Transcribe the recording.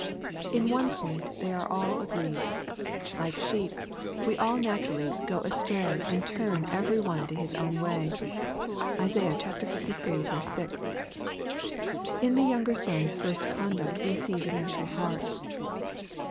In one point only are all agreed. Like sheep, we all naturally "go astray^ and turn every one to his own way." (Isai. liii. 6.) In the younger son's first conduct we see the natural heart.